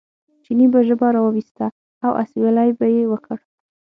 چیني به ژبه را وویسته او اسوېلی به یې وکړ.